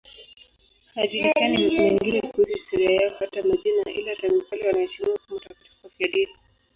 Hayajulikani mengine kuhusu historia yao, hata majina, ila tangu kale wanaheshimiwa kama watakatifu wafiadini.